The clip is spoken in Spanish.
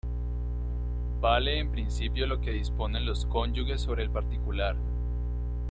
Vale en principio lo que disponen los cónyuges sobre el particular.